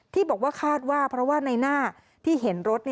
ที่บอกว่าคาดว่าเพราะว่าในหน้าที่เห็นรถ